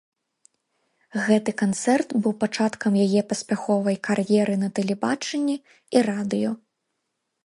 Гэты канцэрт быў пачаткам яе паспяховай кар'еры на тэлебачанні і радыё.